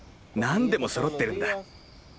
何でもそろってるんだ。